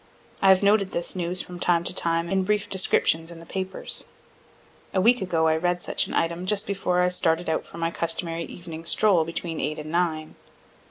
I have noted this news from time to time in brief descriptions in the papers. A week ago I read such an item just before I started out for my customary evening stroll between eight and nine.